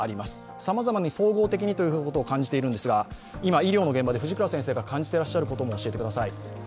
さまざまに総合的にということを感じているんですが今、医療の現場で感じていらっしゃることも教えてください。